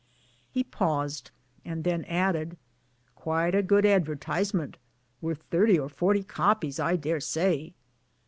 He paused, and then added, '* Quite a good advertisement worth thirty or forty copies I daresay."